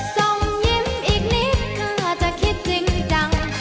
ส่งยิ้มอีกนิดถ้าจะคิดจริงจัง